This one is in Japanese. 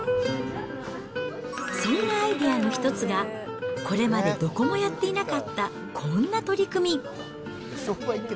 そんなアイデアの一つが、これまでどこもやっていなかったこんな取り組み。